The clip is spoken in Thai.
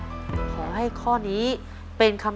คุณยายแจ้วเลือกตอบจังหวัดนครราชสีมานะครับ